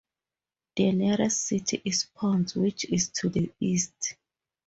The nearest city is Ponce, which is to the east.